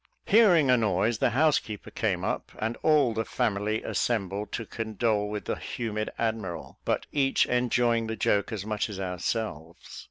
Hearing a noise, the housekeeper came up, and all the family assembled to condole with the humid admiral, but each enjoying the joke as much as ourselves.